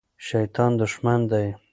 شیطان دښمن دی.